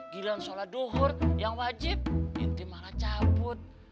gila sholat duhur yang wajib ntar malah cabut